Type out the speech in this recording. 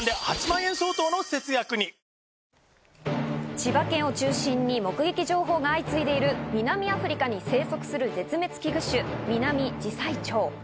千葉県を中心に目撃情報が相次いでいる、南アフリカに生息する絶滅危惧種、ミナミジサイチョウ。